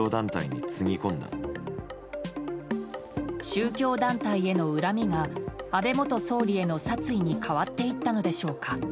宗教団体への恨みが安倍元総理への殺意に変わっていったのでしょうか。